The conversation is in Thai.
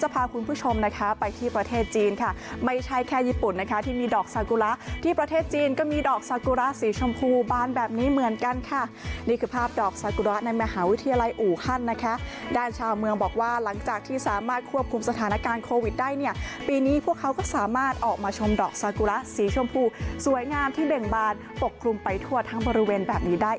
พาคุณผู้ชมนะคะไปที่ประเทศจีนค่ะไม่ใช่แค่ญี่ปุ่นนะคะที่มีดอกซากุระที่ประเทศจีนก็มีดอกซากุระสีชมพูบานแบบนี้เหมือนกันค่ะนี่คือภาพดอกซากุระในมหาวิทยาลัยอู่ฮั่นนะคะด้านชาวเมืองบอกว่าหลังจากที่สามารถควบคุมสถานการณ์โควิดได้เนี่ยปีนี้พวกเขาก็สามารถออกมาชมดอกซากุระสีชมพูสวยงามที่เบ่งบานปกคลุมไปทั่วทั้งบริเวณแบบนี้ได้